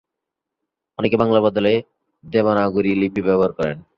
অনেকে বাংলার বদলে দেবনাগরী লিপি ব্যবহার করে।